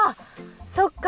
そっか。